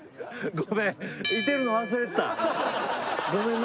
ごめんな。